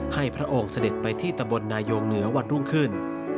พระองค์เสด็จไปที่ตะบลนายงเหนือวันรุ่งขึ้น